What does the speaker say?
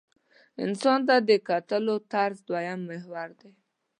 انسان ته د کتلو طرز دویم محور دی.